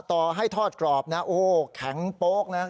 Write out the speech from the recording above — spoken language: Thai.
ต่อให้ทอดกรอบนะโอ้แข็งโป๊กนะ